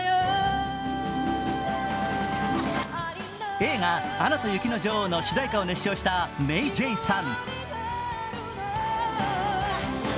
映画「アナと雪の女王」の主題歌を熱唱したＭａｙＪ．さん。